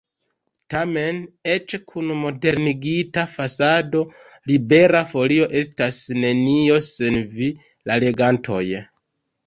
Tamen, eĉ kun modernigita fasado, Libera Folio estas nenio sen vi, la legantoj.